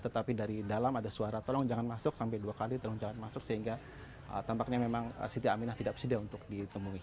tetapi dari dalam ada suara tolong jangan masuk sampai dua kali tolong jangan masuk sehingga tampaknya memang siti aminah tidak bersedia untuk ditemui